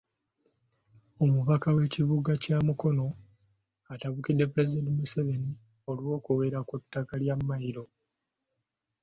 Omubaka w’ekibuga kya Mukono atabukidde Pulezidenti Museveni olw’okwera ku ttaka lya Mayiro.